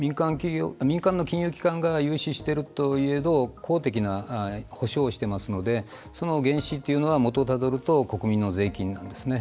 民間の金融機関が融資しているといえど公的な補償をしていますのでその原資っていうのは元をたどると国民の税金なんですね。